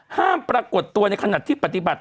ปรากฏตัวในขณะที่ปฏิบัติ